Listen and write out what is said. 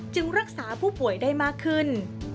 รักษาผู้ป่วยได้มากขึ้น